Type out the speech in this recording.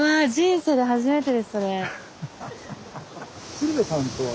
鶴瓶さんとは。